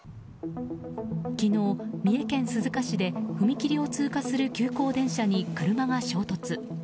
昨日、三重県鈴鹿市で踏切を通過する急行電車に車が衝突。